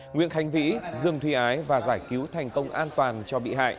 nguyễn khánh vĩ dương thúy ái và giải cứu thành công an toàn cho bị hại